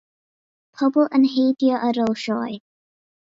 Pobl yn heidio ar ôl sioe